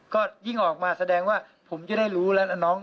ก็ยิ่งออกมาแสดงว่าผมจะได้รู้แล้วนะน้อง